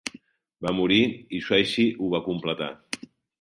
Va morir i Sweezy ho va completar.